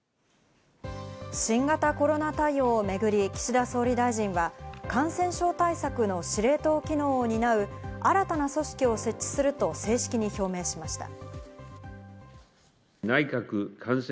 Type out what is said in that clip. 新型コロナ対応めぐり、岸田総理大臣は感染症対策の司令塔機能を担う新たな組織を設置すると正式に表明しました。